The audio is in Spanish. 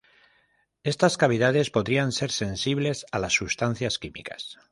Estas cavidades podrían ser sensibles a las sustancias químicas.